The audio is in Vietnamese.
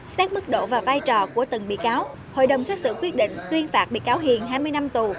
xét mức độ và vai trò của từng bị cáo hội đồng xét xử quyết định tuyên phạt bị cáo hiền hai mươi năm tù